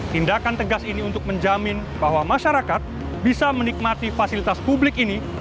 tindakan tegas ini untuk menjamin bahwa masyarakat bisa menikmati fasilitas publik ini